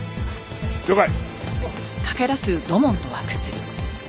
了解！